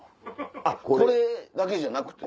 あっこれだけじゃなくて？